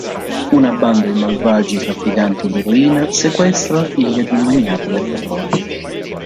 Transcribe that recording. Una banda di malvagi trafficanti d'eroina, sequestra la figlia di un magnate del petrolio.